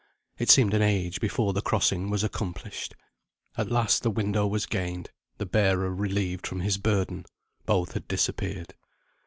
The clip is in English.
It seemed an age before the crossing was accomplished. At last the window was gained; the bearer relieved from his burden; both had disappeared.